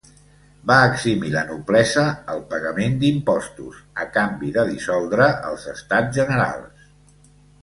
Va eximir la noblesa el pagament d'impostos, a canvi de dissoldre els Estats Generals.